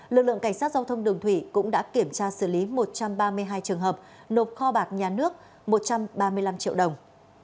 lực lượng cảnh sát giao thông đường thủy cũng đã kiểm tra xử lý một trăm ba mươi hai trường hợp nộp kho bạc nhà nước một trăm ba mươi năm triệu đồng